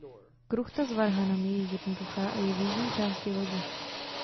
Kruchta s varhanami je jednoduchá a je v jižní části lodi.